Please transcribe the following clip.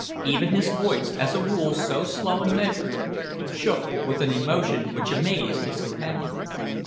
Even his voice, as a rule so slow and measured, shook with an emotion which amazed his companion.